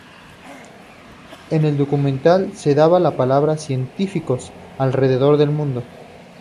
En el documental se da la palabra a científicos alrededor del mundo.